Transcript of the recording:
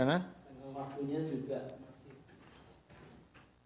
dengan waktunya juga masih